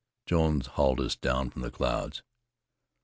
Jones hauled us down from the clouds.